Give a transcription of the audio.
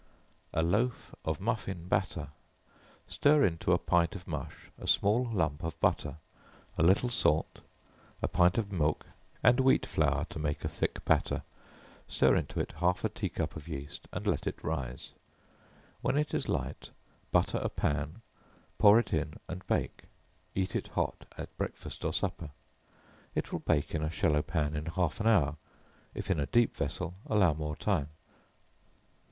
A Loaf of Muffin Batter. Stir into a pint of mush a small lump of butter, a little salt, a pint of milk, and wheat flour to make a thick batter; stir into it half a tea cup of yeast, and let it rise, when it is light, butter a pan, pour it in and bake, eat it hot, at breakfast or supper. It will bake in a shallow pan in half an hour, if in a deep vessel, allow more time.